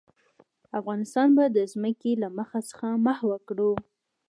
افغانستان به د ځمکې له مخ څخه محوه کړو.